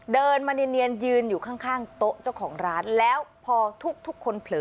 เดินมาเนียนยืนอยู่ข้างโต๊ะเจ้าของร้านแล้วพอทุกคนเผลอ